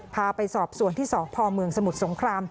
พาไปสอบส่วนที่สพเมืองสมุทรสงคราม